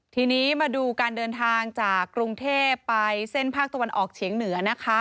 ทีนี้มาดูการเดินทางจากกรุงเทพไปเส้นภาคตะวันออกเฉียงเหนือนะคะ